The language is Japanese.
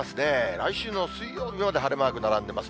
来週の水曜日まで晴れマーク並んでます。